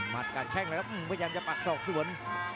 กัดแข้งเลยครับพยายามจะปักศอกสวน